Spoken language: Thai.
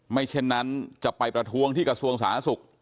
ไม่เช่นนั้นจะไปประท้วงที่กระทรวงสร้างนักศึกษ์